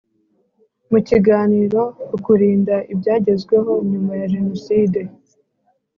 Mu kiganiro ku Kurinda ibyagezweho nyuma ya Jenoside